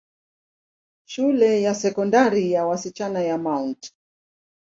Shule ya Sekondari ya wasichana ya Mt.